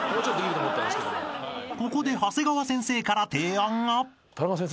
［ここでハセガワ先生から提案が］